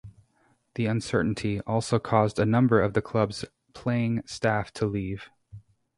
The uncertainty also caused a number of the club's playing staff to leave.